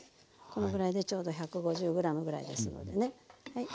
このぐらいでちょうど１５０ｇぐらいですのでねはい。